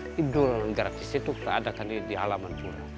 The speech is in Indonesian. liburan gratis itu teradakan di halaman pura